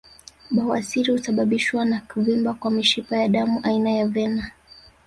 Bawasiri husababishwa na kuvimba kwa mishipa ya damu aina ya vena